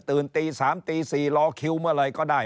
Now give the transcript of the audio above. ตื่นตี๓ตี๔รอคิวเมื่อไรก็ได้